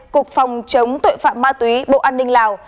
cục phòng chống tội phạm ma túy bộ an ninh lào